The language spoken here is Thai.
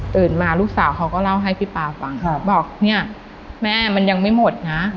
มาลูกสาวเขาก็เล่าให้พี่ป๊าฟังบอกเนี่ยแม่มันยังไม่หมดนะ